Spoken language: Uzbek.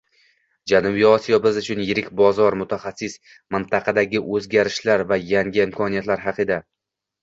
Janubiy Osiyo biz uchun yirik bozor - mutaxassis mintaqadagi o‘zgarishlar va yangi imkoniyatlar haqida